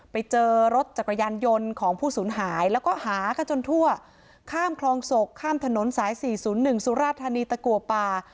ไปเจอรถจักรยานยนต์ของผู้สูญหายแล้วก็หากันจนทั่วข้ามคลองศกข้ามถนนสาย๔๐๑สุราธานีตะกัวป่า